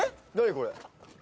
これ。